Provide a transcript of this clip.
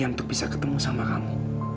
untuk bisa ketemu sama kamu